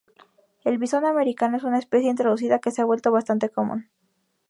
El visón americano es una especie introducida que se ha vuelto bastante común.